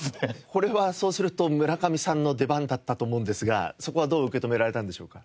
これはそうすると村上さんの出番だったと思うんですがそこはどう受け止められたんでしょうか？